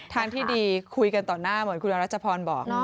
ทางที่ดีคุยกันต่อหน้าเหมือนคุณรัชพรบอก